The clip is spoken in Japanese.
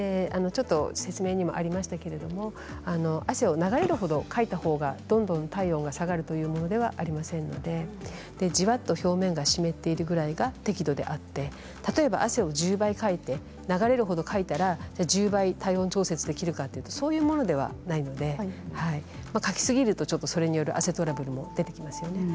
説明にもありましたけれども汗は流れるほどかいたほうがどんどん体温が下がるというのはありませんのでじわっと表面が湿っているぐらいが適量であって例えば汗を１０倍かいて流れるほどかいたら１０倍体温調節できるかというとそういうものではないのでかきすぎると、それによって汗トラブルも出てきますよね。